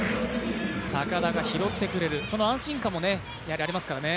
高田が拾ってくれる、その安心感もありますからね。